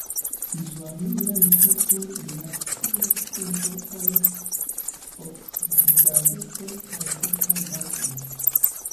Izoamila nitrato reakcias kun fortaj oksidigagentoj kaj fortaj bazoj.